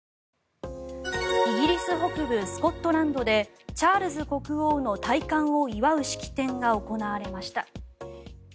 イギリス北部スコットランドでチャールズ国王の戴冠を祝う式典が行われました。